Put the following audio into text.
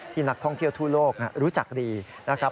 นักท่องเที่ยวทั่วโลกรู้จักดีนะครับ